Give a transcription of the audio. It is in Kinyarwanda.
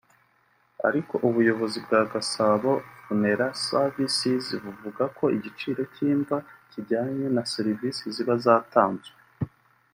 ariko ubuyobozi bwa Gasabo Funeral Services buvuga ko igiciro cy’imva kijyanye na serivisi ziba zatanzwe